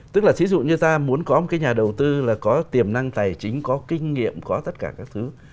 tức là ví dụ như ta muốn có một cái nhà đầu tư là có tiềm năng tài chính có kinh nghiệm có tất cả các thứ